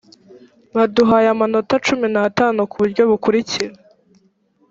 baduhaye amanota cumi n’atanu ku buryo bukurikira